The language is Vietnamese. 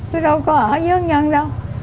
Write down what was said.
tôi đâu có ở dưới nhân đâu